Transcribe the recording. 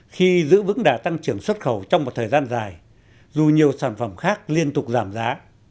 khi giữ vững đà tăng trưởng xuất khẩu trong một thời gian dài dù nhiều sản phẩm khác liên tục giảm giá